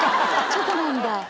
チョコなんだ。